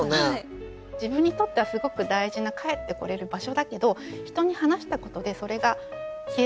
自分にとってはすごく大事な帰ってこれる場所だけど人に話したことでそれが消えてしまう。